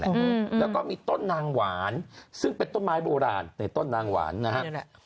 อืมแล้วก็มีต้นนางหวานซึ่งเป็นต้นไม้โบราณในต้นนางหวานนะฮะนี่แหละ